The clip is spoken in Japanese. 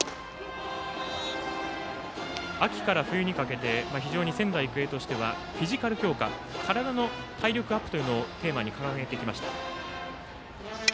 秋から冬にかけて仙台育英としてはフィジカル強化体の体力アップをテーマに掲げてきました。